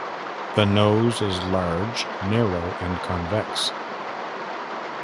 The nose is large, narrow and convex.